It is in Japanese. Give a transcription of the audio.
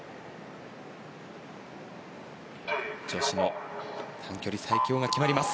女子の短距離最強が決まります。